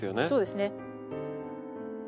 そうですね。